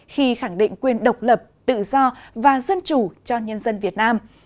khi khẳng định quyền độc lập tự do và dân chủ cho nhân dân việt nam